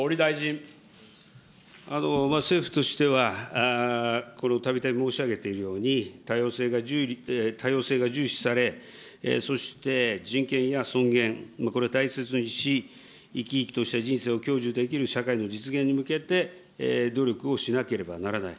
政府としては、このたびたび申し上げているように、多様性が重視され、そして、人権や尊厳、これを大切にし、生き生きとした人生を享受できる社会の実現に向けて、努力をしなければならない。